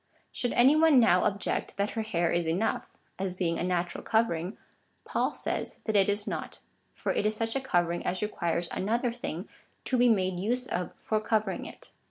Should any one now object, that her hair is enough, as being a natural covering, Paul says that it is not, for it is such a covering as requires another thing to be made use of for covering it.